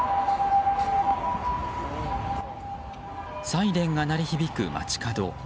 サイレンが鳴り響く街角。